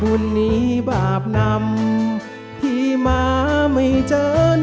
บุญนี้บาปนำที่มาไม่เจอนวนนาง